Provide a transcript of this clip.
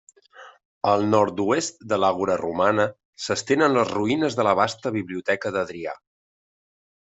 Al nord-oest de l'Àgora romana s'estenen les ruïnes de la vasta Biblioteca d'Adrià.